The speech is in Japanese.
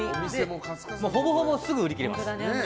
ほぼほぼ、すぐ売り切れます。